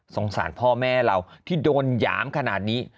สารพ่อแม่เราที่โดนหยามขนาดนี้